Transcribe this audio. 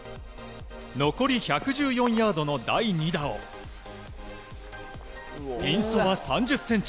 残り１４０ヤードの第２打をピンそば３０ｃｍ。